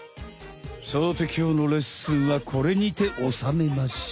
さてきょうのレッスンはこれにておさめましょう。